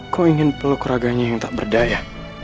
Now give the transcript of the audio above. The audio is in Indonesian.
kuingin peluk raganya yang tak berdaya